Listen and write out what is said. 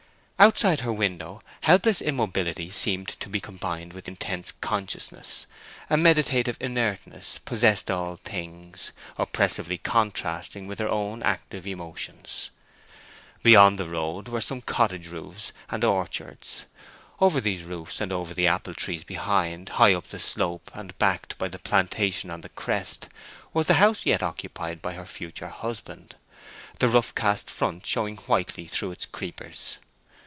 Outside her window helpless immobility seemed to be combined with intense consciousness; a meditative inertness possessed all things, oppressively contrasting with her own active emotions. Beyond the road were some cottage roofs and orchards; over these roofs and over the apple trees behind, high up the slope, and backed by the plantation on the crest, was the house yet occupied by her future husband, the rough cast front showing whitely through its creepers.